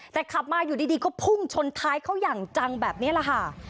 แต่ขับมาอยู่ดีก็พุ่งชนท้ายเขาอย่างจังแบบนี้แหละค่ะ